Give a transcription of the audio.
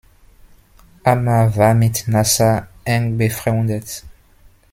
Amer war mit Nasser eng befreundet.